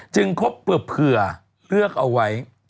ครบเผื่อเลือกเอาไว้